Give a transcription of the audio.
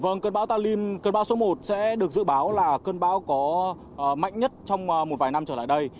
vâng cơn bão talim cơn bão số một sẽ được dự báo là cơn bão có mạnh nhất trong một vài năm trở lại đây